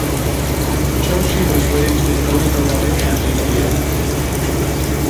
Joshi was raised in Illinois and Indiana.